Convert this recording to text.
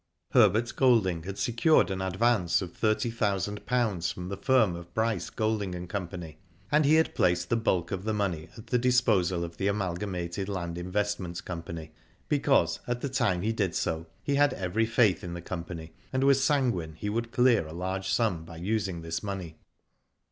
Herbert Golding had secured an advance of thirty thousand pounds from the firm of Bryce, Golding, and Co., and he had placed the bulk of the money at the disposal of the Amalgamated Land Investment Company, because, at the time he did so, he had every faith in the company, and was sanguine he would clear a large sum by using this money.